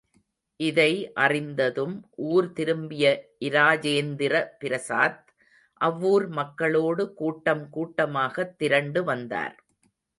இதை அறிந்ததும் ஊர் திரும்பிய இராஜேந்திர பிரசாத் அவ்வூர் மக்களோடு கூட்டம் கூட்டமாகத் திரண்டு வந்தார்.